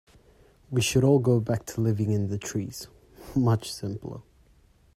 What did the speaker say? We should all go back to living in the trees, much simpler.